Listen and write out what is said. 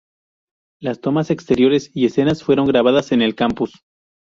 Las tomas exteriores y escenas fueron grabadas en el campus.